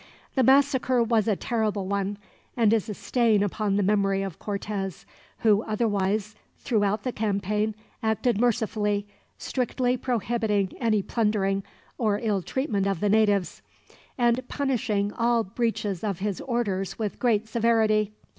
The massacre was a terrible one, and is a stain upon the memory of Cortez; who otherwise throughout the campaign acted mercifully, strictly prohibiting any plundering or ill treatment of the natives, and punishing all breaches of his orders with great severity.